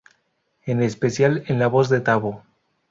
En especial en la voz de Taboo.